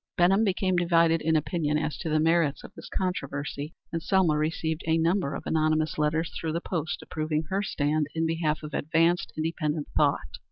Benham became divided in opinion as to the merits of this controversy, and Selma received a number of anonymous letters through the post approving her stand in behalf of advanced, independent thought.